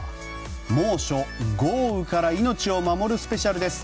猛暑＆豪雨から命を守るスペシャルです。